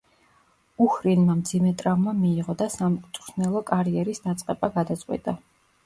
უჰრინმა მძიმე ტრავმა მიიღო და სამწვრთნელო კარიერის დაწყება გადაწყვიტა.